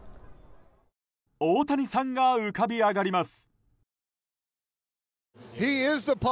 大谷さんが浮かび上がります。